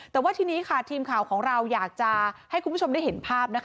แต่ว่าทีนี้ค่ะทีมข่าวของเราอยากจะให้คุณผู้ชมได้เห็นภาพนะคะ